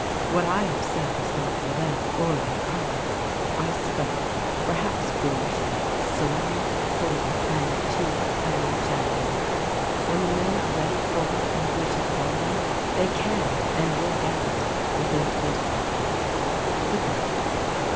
What I have said is not for them or their cause ; I spoke, perhaps foolishly, solely for and to Harry Chandler. When the men are ready for and wish equality they can and will get it within twenty four hours. Good bye."